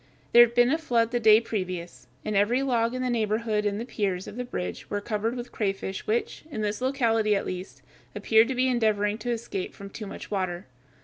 There had been a flood the day previous, and every log in the neighborhood and the piers of the bridge were covered with crayfish which, in this locality at least, appeared to be endeavoring to escape from too much water.